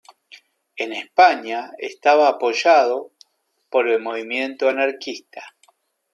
En España estaba apoyado por el movimiento anarquista.